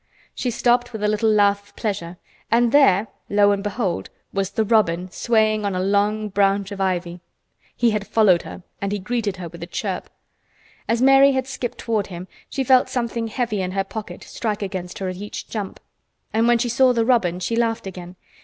She stopped with a little laugh of pleasure, and there, lo and behold, was the robin swaying on a long branch of ivy. He had followed her and he greeted her with a chirp. As Mary had skipped toward him she felt something heavy in her pocket strike against her at each jump, and when she saw the robin she laughed again.